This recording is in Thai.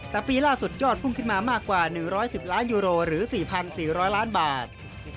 แต่ปีล่าสุดยอดพุ่งขึ้นมามากกว่า๑๑๐ล้านยูโรหรือ๔๔๐๐ล้านบาท